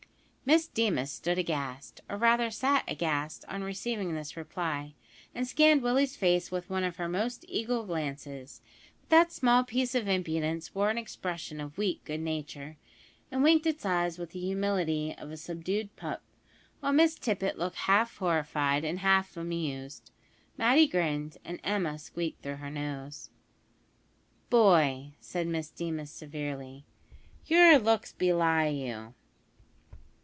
Miss Deemas stood aghast, or rather sat aghast, on receiving this reply, and scanned Willie's face with one of her most eagle glances; but that small piece of impudence wore an expression of weak good nature, and winked its eyes with the humility of a subdued pup, while Miss Tippet looked half horrified and half amused; Matty grinned, and Emma squeaked through her nose. "Boy," said Miss Deemas severely, "your looks belie you."